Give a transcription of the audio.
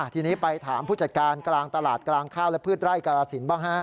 ทีนี้ไปถามผู้จัดการกลางตลาดกลางข้าวและพืชไร่กาลสินบ้าง